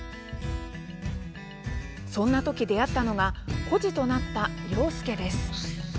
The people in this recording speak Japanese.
そんなとき出会ったのが孤児となった了助です。